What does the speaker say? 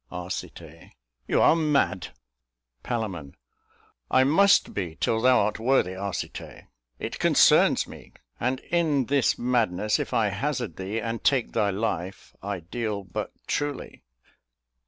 Arc. You are mad. Pal. I must be, Till thou art worthy, Arcite; it concerns me! And, in this madness, if I hazard thee And take thy life, I deal but truly.